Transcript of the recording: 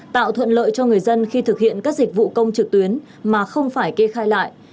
tạo thuận lợi cho người dân khi thực hiện các dịch vụ công trực tuyến mà không phải kê khai lại